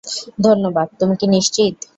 ধন্যবাদ - তুমি কি নিশ্চিত?